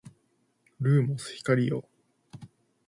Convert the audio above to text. ルーモス光よ